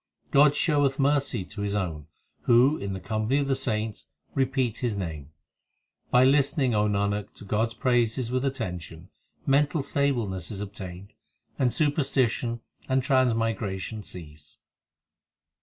God showeth mercy to his own Who in the company of the saints repeat His name. By listening, O Nanak, to God s praises with attention Mental stableness is obtained, and superstition and trans migration cease.